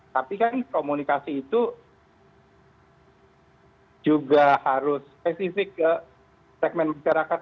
tapi kan komunikasi itu juga harus spesifik ke segmen masyarakat